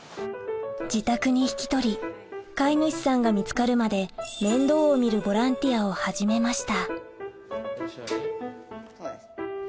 自宅に引き取り飼い主さんが見つかるまで面倒を見るボランティアを始めました